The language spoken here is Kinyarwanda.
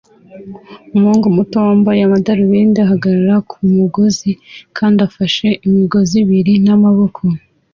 Umuhungu muto wambaye amadarubindi ahagarara ku mugozi kandi afashe imigozi ibiri n'amaboko